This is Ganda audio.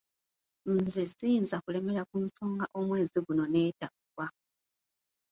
Nze siyinza kulemera ku nsonga omwezi guno neetaggwa.